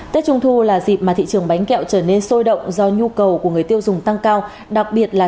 tết trung thu là dịp mà thị trường bánh kẹo trở nên sôi động do nhu cầu của người tiêu dùng tăng cao